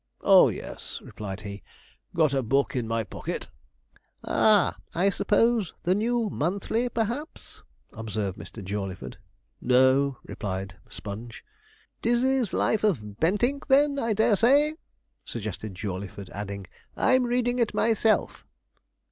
'Oh yes,' replied he, 'got a book in my pocket.' 'Ah, I suppose the New Monthly, perhaps?' observed Mr. Jawleyford. 'No,' replied Sponge. 'Dizzey's Life of Bentinck, then, I dare say,' suggested Jawleyford; adding, 'I'm reading it myself.'